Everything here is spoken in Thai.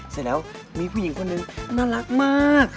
เสร็จแล้วมีผู้หญิงคนหนึ่งน่ารักมาก